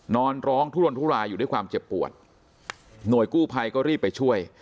นอนร้องทุรนทุรายอยู่ด้วยความเจ็บปวดหน่วยกู้ภัยก็รีบไปช่วย